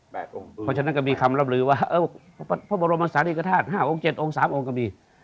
เพราะฉะนั้นก็มีคำรับลือว่าพระบรมศาลีกฐาตุ๕องค์๗องค์๓องค์ก็มี